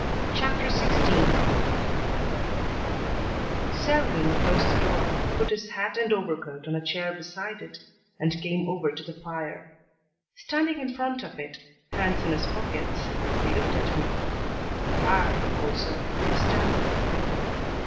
CHAPTER XVI Selwyn closed the door, put his hat and overcoat on a chair beside it, and came over to the fire. Standing in front of it, hands in his pockets, he looked at me. I, also, was standing.